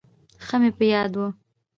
ښه مې په یاد و.